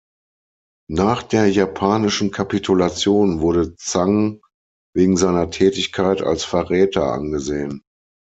Nach der japanischen Kapitulation wurde Zhang wegen seiner Tätigkeit als Verräter angesehen.